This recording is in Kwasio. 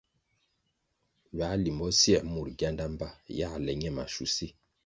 Ywãh limbo sier mur gianda mbpa yãh le ñe maschusi.